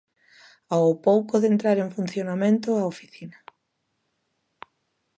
Ao pouco de entrar en funcionamento a oficina.